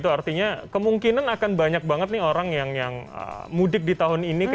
artinya kemungkinan akan banyak banget nih orang yang mudik di tahun ini